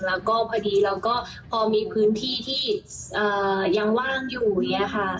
แล้วก็พอดีเราก็พอมีพื้นที่ที่ยังว่างอยู่อย่างนี้ค่ะ